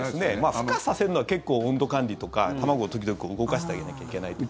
ふ化させるのは結構、温度管理とか卵を時々、動かしてあげなきゃいけないとか。